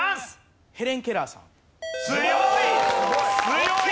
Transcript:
強い！